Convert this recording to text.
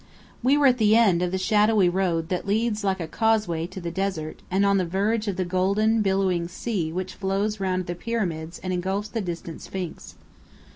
We were at the end of the shadowy road that leads like a causeway to the desert, and on the verge of the golden, billowing sea which flows round the Pyramids and engulfs the distant Sphinx.